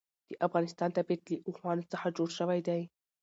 د افغانستان طبیعت له اوښانو څخه جوړ شوی دی.